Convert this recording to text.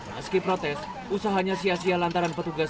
meski protes usahanya sia sia lantaran petugas